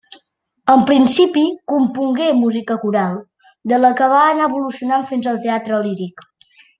En principi compongué música coral, de la que va anar evolucionant fins al teatre líric.